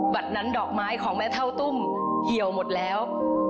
บัตรนั้นดอกไม้ของแม่เท่าตุ้มเหี่ยวหมดแล้ว